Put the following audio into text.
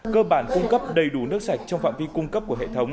cơ bản cung cấp đầy đủ nước sạch trong phạm vi cung cấp của hệ thống